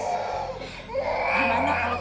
gimana kalo kita pindah rumah